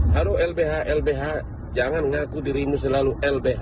haru lbh lbh jangan ngaku dirimu selalu lbh